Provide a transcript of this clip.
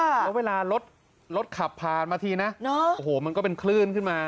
แล้วเวลารถรถขับผ่านมาทีนะโอ้โหมันก็เป็นคลื่นขึ้นมา